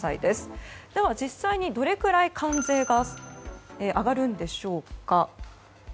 では実際にどれくらい関税が上がるんでしょうか。